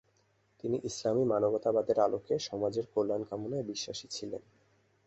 তিনি ইসলামি মানবতাবাদের আলোকে সমাজের কল্যাণ কামনায় বিশ্বাসী ছিলেন।